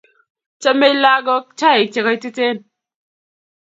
Chamei lagoik chaik che koititen